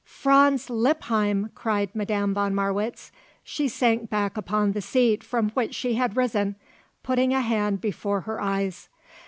"Franz Lippheim!" cried Madame von Marwitz. She sank back upon the seat from which she had risen, putting a hand before her eyes.